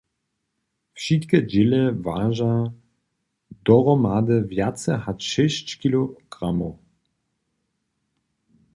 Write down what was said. Wšitke dźěle waža dohromady wjace hač šěsć kilogramow.